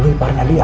lo iparnya dia